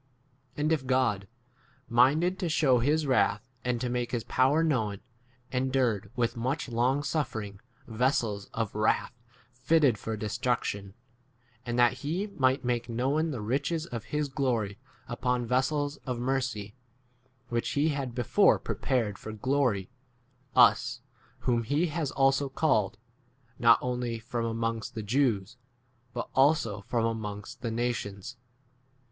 And if God, minded to shew his wrath and to make his power known, endured with much longsuffering vessels of 23 wrath fitted for destruction ; and that he might make known the riches of his glory upon vessels of mercy, which he had before pre u pared for glory, us, whom he has also called, not only from amongst [the] Jews, but also from amongst 25 [the] nations